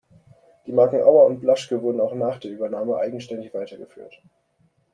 Die Marken "Auer" und "Blaschke" wurden auch nach der Übernahme eigenständig weitergeführt.